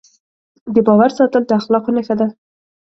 د باور ساتل د اخلاقو نښه ده.